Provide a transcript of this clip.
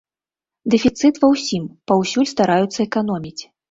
Дэфіцыт ва ўсім, паўсюль стараюцца эканоміць.